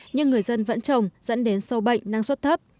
nhưng người dân vẫn trồng dẫn đến sâu bệnh năng suất thấp